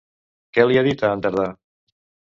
Què li ha dit a en Tardà?